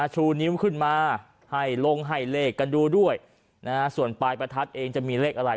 ชูนิ้วขึ้นมาให้ลงให้เลขกันดูด้วยนะฮะส่วนปลายประทัดเองจะมีเลขอะไร